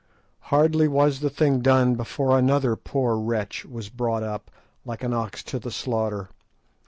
Hardly was the thing done before another poor wretch was brought up, like an ox to the slaughter.